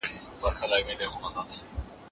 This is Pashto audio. تاسو ته متن درکول کیږي.